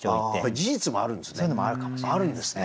事実もあるんですね。